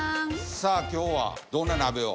さあ今日はどんな鍋を。